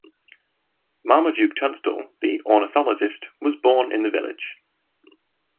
Marmaduke Tunstall the ornithologist was born in the village.